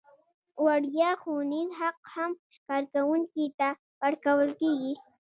وړیا ښوونیز حق هم کارکوونکي ته ورکول کیږي.